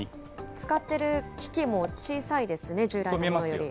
使ってる機器も小さいですね、従来のものより。